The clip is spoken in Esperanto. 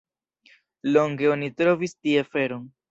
Longe oni trovis tie feron.